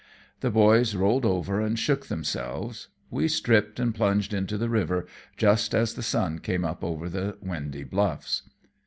The boys rolled over and shook themselves. We stripped and plunged into the river just as the sun came up over the windy bluffs.